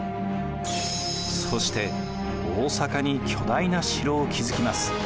そして大坂に巨大な城を築きます。